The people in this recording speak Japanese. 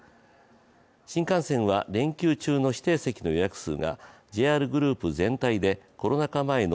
新幹線は連休中の指定席の予約数がＪＲグループ全体でコロナ禍前野